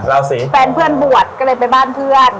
ราศีแฟนเพื่อนบวชก็เลยไปบ้านเพื่อน